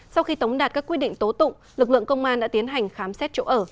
sau khi tống đạt các quyết định tố tụng lực lượng công an đã tiến hành khám xét chỗ ở